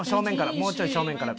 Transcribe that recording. もうちょい正面から。